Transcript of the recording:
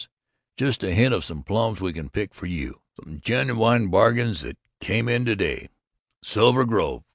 Just a hint of some plums we can pick for you some genuine bargains that came in to day: SILVER GROVE.